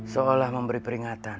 seolah memberi peringatan